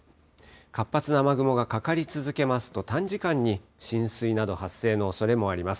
活発な雨雲がかかり続けますと、短時間に浸水など、発生のおそれもあります。